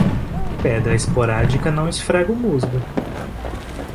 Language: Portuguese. Pedra esporádica não esfrega o musgo.